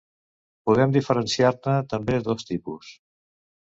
Podem diferenciar-ne també dos tipus.